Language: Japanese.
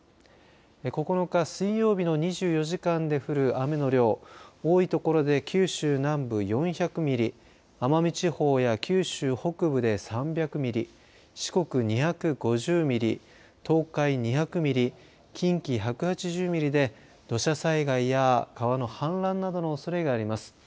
９日、水曜日の２４時間で降る雨の量多いところで九州南部４００ミリ奄美地方や九州北部で３００ミリ四国２５０ミリ東海２００ミリ近畿１８０ミリで土砂災害や川の氾濫などのおそれがあります。